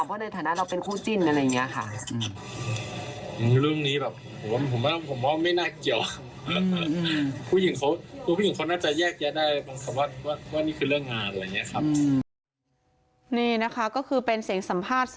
เพราะในฐานะเราเป็นคู่จิ้นอะไรอย่างนี้ค่ะ